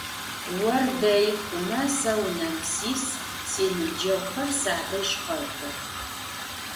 Ор дэи хъумэ сэ унэм сис, синыбджэгъухэр садэжь къэкӏох.